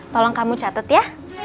tolong kamu catet ya